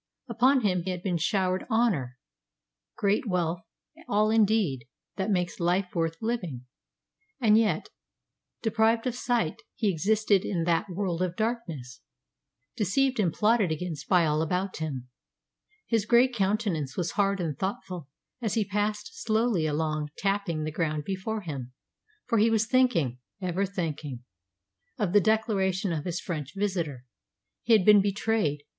Upon him had been showered honour, great wealth, all indeed that makes life worth living, and yet, deprived of sight, he existed in that world of darkness, deceived and plotted against by all about him. His grey countenance was hard and thoughtful as he passed slowly along tapping the ground before him, for he was thinking ever thinking of the declaration of his French visitor. He had been betrayed.